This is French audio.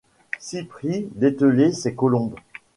Cypris dételer ses colombes